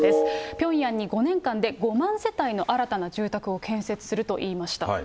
ピョンヤンに５年間で５万世帯の新たな住宅を建設すると言いました。